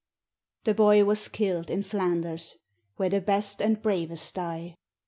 The boy was killed in Flanders, where the best and bravest die.